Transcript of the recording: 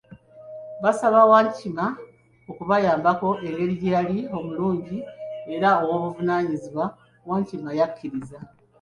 Basaba Wankima okubayambako engeri gye yali omulungi era ow'obuvunanyizibwa, Wankima yakiriza.